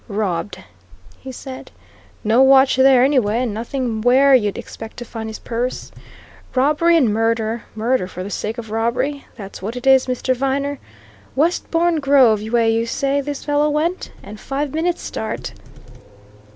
"Robbed!" he said. "No watch there, anyway, and nothing where you'd expect to find his purse. Robbery and murder murder for the sake of robbery that's what it is, Mr. Viner! Westbourne Grove way, you say this fellow went? And five minutes' start!"